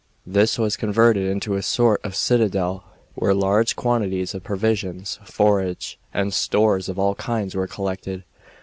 This was converted into a sort of citadel, where large quantities of provisions, forage, and stores of all kinds were collected.